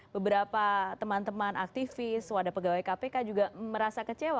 beberapa teman teman aktivis wadah pegawai kpk juga merasa kecewa